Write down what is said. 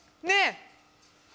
ねえ！